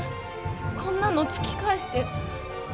こんなの突き返してよ。